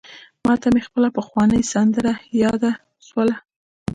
ماته مي خپله پخوانۍ سندره یاده سوله: